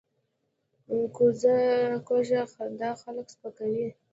کوږه خندا خلک سپکوي